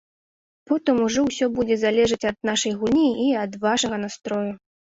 Потым ужо ўсё будзе залежаць ад нашай гульні і ад вашага настрою.